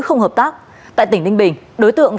không hợp tác tại tỉnh ninh bình đối tượng